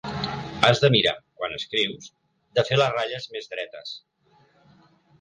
Has de mirar, quan escrius, de fer les ratlles més dretes!